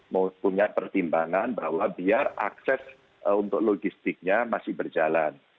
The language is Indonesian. mempunyai pertimbangan bahwa biar akses untuk logistiknya masih berjalan